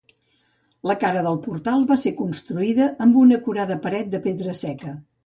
La cara del portal va ser construïda amb una acurada paret de pedra seca.